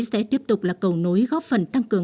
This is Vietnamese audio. sẽ tiếp tục là cầu nối góp phần tăng cường